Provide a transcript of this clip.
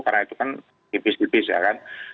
karena itu kan tipis tipis ya kan